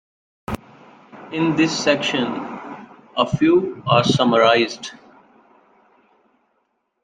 In this section, a few are summarized.